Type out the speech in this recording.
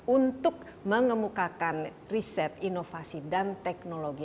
untuk mengemukakan riset inovasi dan teknologi